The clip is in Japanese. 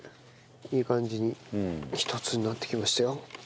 いい感じに一つになってきましたよ。